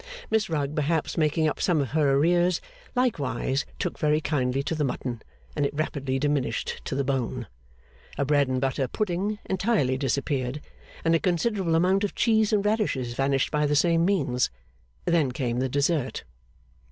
Miss Rugg, perhaps making up some of her arrears, likewise took very kindly to the mutton, and it rapidly diminished to the bone. A bread and butter pudding entirely disappeared, and a considerable amount of cheese and radishes vanished by the same means. Then came the dessert.